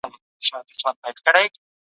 په ناحقه چا ته زیان مه رسوئ.